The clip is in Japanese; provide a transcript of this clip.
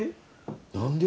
何で？